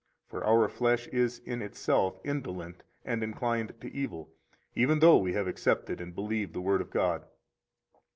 63 For our flesh is in itself indolent and inclined to evil, even though we have accepted and believe the Word of God.